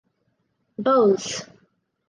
Bose.